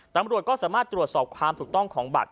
ตำรวจก็สามารถตรวจสอบความถูกต้องของบัตร